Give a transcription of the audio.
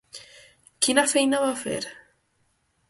Quina feina va fer?